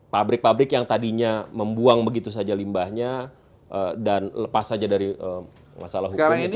fabrik fabrik yang tadinya membuang begitu saja limbahnya dan lepas saja dari masalah hukum itu tadi